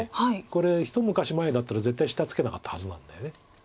これ一昔前だったら絶対下ツケなかったはずなんだよね。